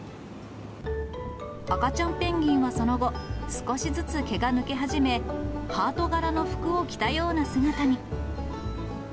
赤ちゃんペンギンはその後、少しずつ毛が抜け始め、ハート柄の服を着たような姿に。